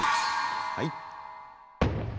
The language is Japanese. はい。